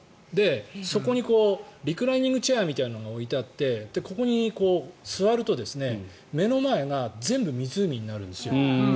そこはリクライニングチェアみたいのが置いてあってここに座ると目の前が全部湖になるんですよ。